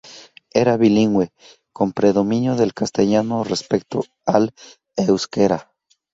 Era bilingüe con predominio del castellano respecto al euskera.